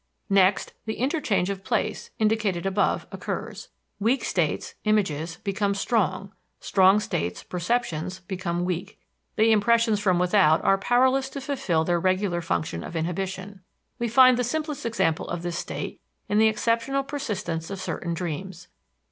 Next, the interchange of place, indicated above, occurs. Weak states (images) become strong; strong states (perceptions) become weak. The impressions from without are powerless to fulfill their regular function of inhibition. We find the simplest example of this state in the exceptional persistence of certain dreams.